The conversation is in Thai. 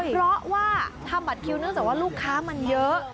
เพราะว่าทำบัตรคิวเนื่องจากว่าลูกค้ามันเยอะ